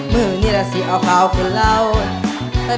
มือนี่ล่ะสิเอาขาวของเรา